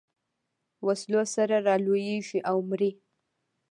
وسلو سره رالویېږي او مري.